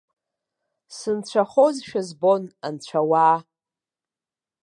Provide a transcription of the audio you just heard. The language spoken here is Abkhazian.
Сынцәахозшәа збон, анцәа-ауаа.